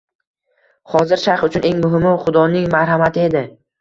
Hozir shayx uchun eng muhimi Xudoning marhamati edi